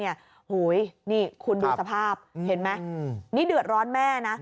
โอ้โหนี่คุณดูสภาพเห็นไหมนี่เดือดร้อนแม่นะ